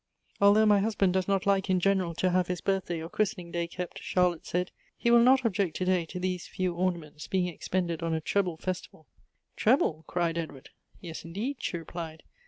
" Although ray hushand does not like in general to have his birthday or christening day kept," Charlotte said, " he will not object to day to these few ornaments being ex l)en<led on a treble festival." " Treble ?" cried Edward. "Yes, indeed," she replied.